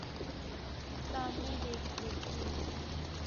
سامنے دیکھئے